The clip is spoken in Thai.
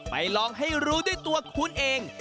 ลองให้รู้ด้วยตัวคุณเอง